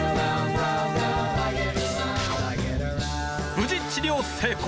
無事治療成功。